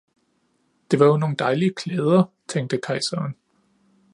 Det var jo nogle dejlige klæder, tænkte kejseren.